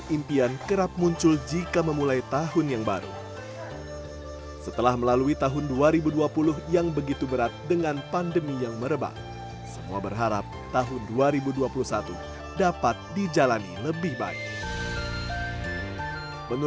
insight penyelidikan dan penyelidikan